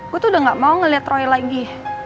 gue tuh udah gak mau ngeliat roy lagi